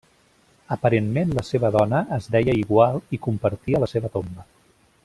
Aparentment la seva dona es deia igual i compartia la seva tomba.